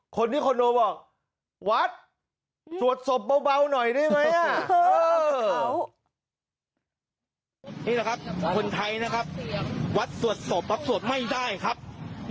คอนโดบอกวัดสวดศพเบาหน่อยได้ไหม